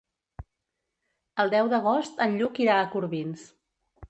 El deu d'agost en Lluc irà a Corbins.